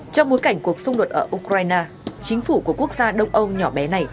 trong bối cảnh cuộc xung đột ở ukraine chính phủ của quốc gia đông âu nhỏ bé này